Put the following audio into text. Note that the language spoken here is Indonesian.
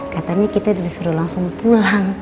katanya kita disuruh langsung pulang